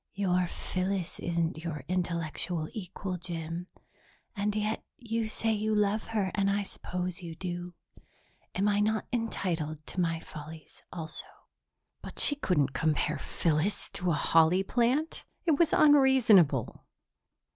"Your Phyllis isn't your intellectual equal, Jim, and yet you say you love her and I suppose you do. Am I not entitled to my follies also?" But she couldn't compare Phyllis to a holly plant! It was unreasonable.